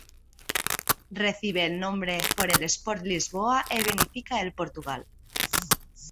Recibe el nombre por el Sport Lisboa e Benfica de Portugal.